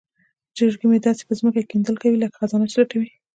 چرګې مې داسې په ځمکه کې کیندل کوي لکه خزانه چې لټوي.